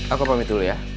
aku pamit dulu ya